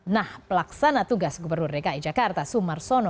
nah pelaksana tugas gubernur dki jakarta sumar sono